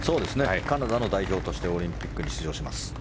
カナダの代表としてオリンピックに出場します。